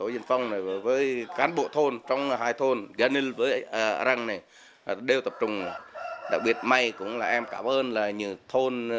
điều tập trung đặc biệt may cũng là em cảm ơn là nhiều thôn